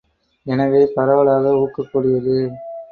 எனவே, பரவலாக ஊக்கக்கூடியது.